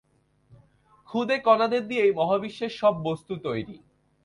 খুদে কণাদের দিয়েই মহাবিশ্বের সব বস্তু তৈরি।